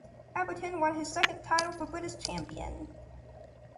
Everton won his second title for British champion.